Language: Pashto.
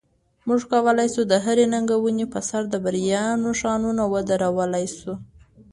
موږ کولی شو د هرې ننګونې په سر د بریا نښانونه ودرولای شو.